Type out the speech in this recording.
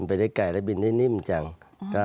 เพิ่งกลับมานะครับใช่ครับ